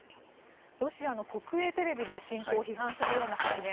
ロシアの国営テレビで侵攻を批判するような発言